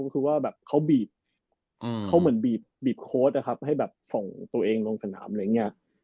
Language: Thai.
ก็คือว่าแบบเขาบีบเขาเหมือนบีบโค้ดนะครับให้แบบส่งตัวเองลงสนามอะไรอย่างนี้